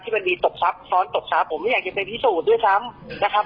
มันมีตบทรัพย์ซ้อนตบทรัพย์ผมไม่อยากจะไปพิสูจน์ด้วยซ้ำนะครับ